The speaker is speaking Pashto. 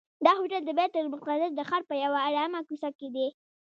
دا هوټل د بیت المقدس د ښار په یوه آرامه کوڅه کې دی.